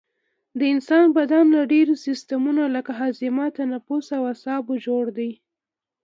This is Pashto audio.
د انسان بدن له ډیرو سیستمونو لکه هاضمه تنفس او اعصابو جوړ دی